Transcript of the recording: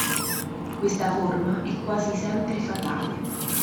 Questa forma è quasi sempre fatale.